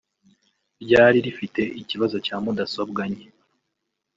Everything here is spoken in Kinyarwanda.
ryari rifite ikibazo cya mudasobwa nke